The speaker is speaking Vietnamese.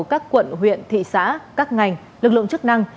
các quận huyện thị xã các ngành lực lượng chức năng